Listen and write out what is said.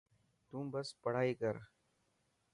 تون بس پڙهائي ڪر.